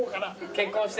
結婚して。